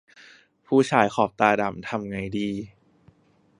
ผู้ชายขอบตาดำทำไงดี